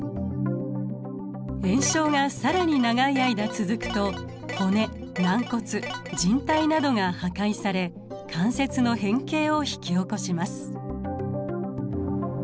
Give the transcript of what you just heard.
炎症が更に長い間続くと骨軟骨じん帯などが破壊され関節の変形を引き起こします。